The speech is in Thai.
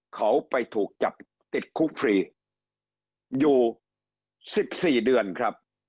เขาไปถูกจับติดคุกฟรีอยู่๑๔เดือนครับ